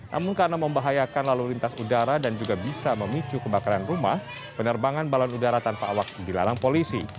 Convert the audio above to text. namun karena membahayakan lalu lintas udara dan juga bisa memicu kebakaran rumah penerbangan balon udara tanpa awak dilarang polisi